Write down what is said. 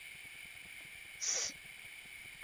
С